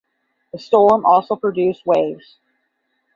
The storm also produced waves.